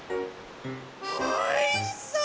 おいしそう！